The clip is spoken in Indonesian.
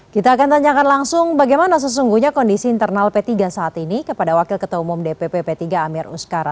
kita akan tanyakan langsung bagaimana sesungguhnya kondisi internal p tiga saat ini kepada wakil ketua umum dpp p tiga amir uskara